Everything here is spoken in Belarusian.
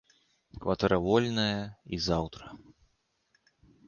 Кватэра вольная і заўтра.